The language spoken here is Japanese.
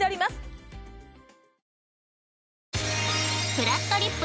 「ぷらっとりっぷ」